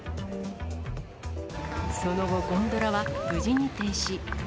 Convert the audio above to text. その後、ゴンドラは無事に停止。